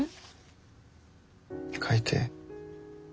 書いて。